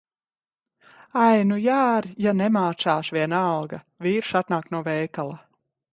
Ai, nu ja ar’ ja nemācās, vienalga. Vīrs atnāk no veikala.